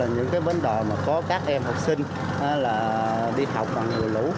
những bến đòi có các em học sinh đi học và nhiều lũ